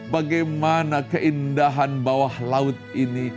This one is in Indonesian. bagaimana keindahan bawah laut ini